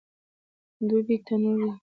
دوبی تنور دی